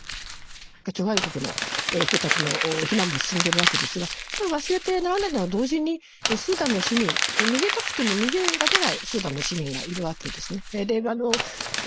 諸外国の人たちの避難も進んでいるわけですが忘れてならないのは同時にスーダンの市民逃げたくても逃げられないスーダンの市民がいるわけですね。